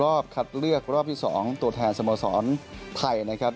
คัดเลือกรอบที่๒ตัวแทนสโมสรไทยนะครับ